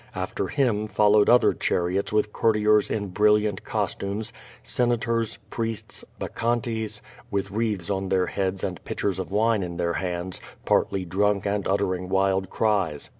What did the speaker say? After him followed other chariots with courtiers in brilliant costumes. Senators, priests, bac chantes, with wreaths on their heads and pitchers of wine in their hands, partly drunk and uttering wild cries.